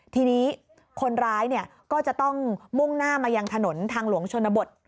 ทีนี้คนร้ายก็จะต้องมุ่งหน้ามายังถนนทางหลวงชนบท